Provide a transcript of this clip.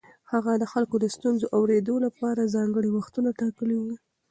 هغه د خلکو د ستونزو اورېدو لپاره ځانګړي وختونه ټاکلي وو.